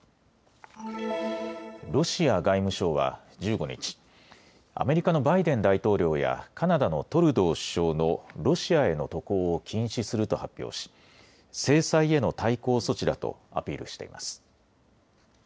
ロシア外務省は１５日、アメリカのバイデン大統領やカナダのトルドー首相のロシアへの渡航を禁止すると発表し制裁への対抗措置だとアピールしています。